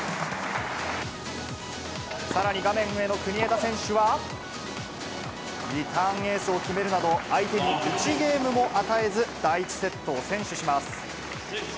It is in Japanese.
さらに画面上の国枝選手は、リターンエースを決めるなど、相手に１ゲームも与えず、第１セットを先取します。